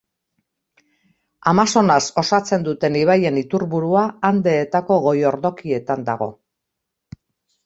Amazonas osatzen duten ibaien iturburua Andeetako goi-ordokietan dago.